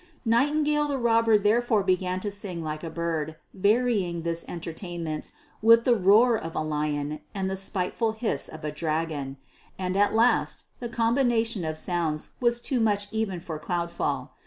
Nightingale the Robber therefore began to sing like a bird, varying this entertainment with the roar of a lion and the spiteful hiss of a dragon; and at last the combination of sounds was too much even for Cloudfall.